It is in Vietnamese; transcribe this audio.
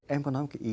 em có nói một cái ý